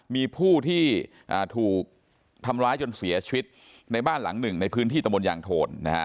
มีผู้ที่ถูกทำร้ายจนเสียชีวิตในบ้านหลังหนึ่งในพื้นที่ตะมนตยางโทนนะฮะ